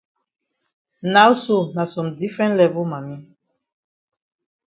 Now so na some different level mami.